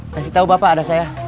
masih tau bapak ada saya